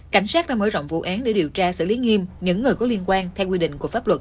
cảnh sát đã mở rộng vụ án để điều tra xử lý nghiêm những người có liên quan theo quy định của pháp luật